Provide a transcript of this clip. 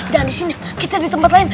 dan disini kita di tempat lain